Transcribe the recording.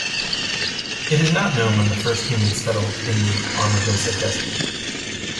It is not known when the first humans settled in the Amargosa Desert.